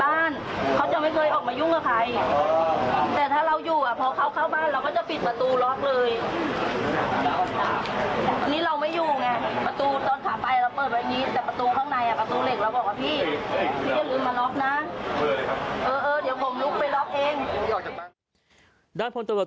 ประตูเหล็กเราบอกว่าพี่พี่อย่าลืมมาล็อกนะ